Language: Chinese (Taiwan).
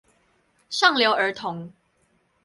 上流兒童